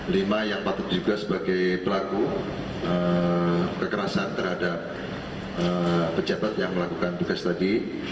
lima yang patut diduga sebagai pelaku kekerasan terhadap pejabat yang melakukan tugas tadi